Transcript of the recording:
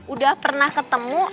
udah pernah ketemu